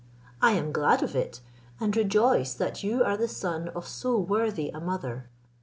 I am glad of it, and rejoice that you are the son of so worthy a mother.